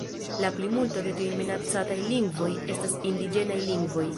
La plimulto de tiuj minacataj lingvoj estas indiĝenaj lingvoj.